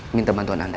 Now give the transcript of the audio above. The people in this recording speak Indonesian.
minta bantuan anda